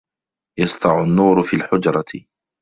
يَسْطَعُ النُّورُ فِي الْحُجْرَةِ.